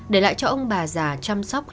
để lại cho ông bà già chăm sóc